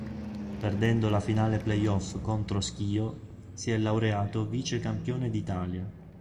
Perdendo la finale play-off contro Schio, si è laureato vice campione d'Italia.